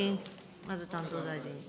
まず担当大臣。